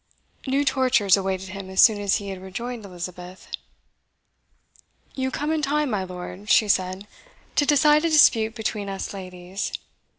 New tortures awaited him as soon as he had rejoined Elizabeth. "You come in time, my lord," she said, "to decide a dispute between us ladies.